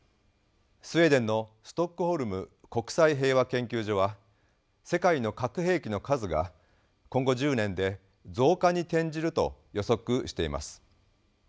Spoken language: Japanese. スウェーデンのストックホルム国際平和研究所は世界の核兵器の数が今後１０年で増加に転じると予測しています。